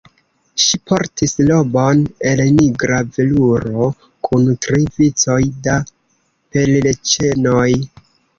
Ŝi portis robon el nigra veluro kun tri vicoj da perlĉenoj.